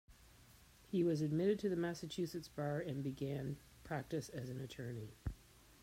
He was admitted to the Massachusetts Bar and began practice as an attorney.